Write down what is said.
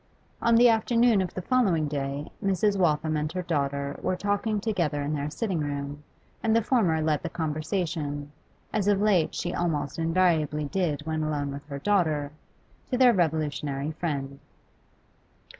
On the afternoon of the following day Mrs. Waltham and her daughter were talking together in their sitting room, and the former led the conversation, as of late she almost invariably did when alone with her daughter, to their revolutionary friend.